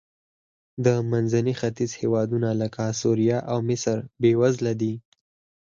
د منځني ختیځ هېوادونه لکه سوریه او مصر بېوزله دي.